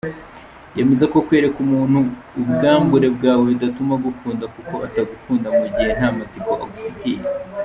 Yemeza ko kwereka umuntu ubwambure bwawe bidatuma agukunda kuko atagukunda mugihe nta matsiko agufitiye.